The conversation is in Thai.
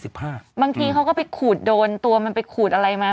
บางทีเขาก็ไปขูดโดนตัวมันไปขูดอะไรมา